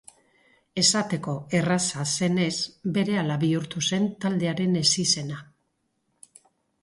Esateko erraza zenez berehala bihurtu zen taldearen ezizena.